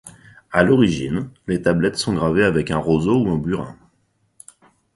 À l'origine, les tablettes sont gravées avec un roseau ou un burin.